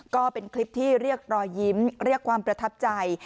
ก็เป็นคลิปที่เรียกรอยยิ้มเรียกความประทับใจ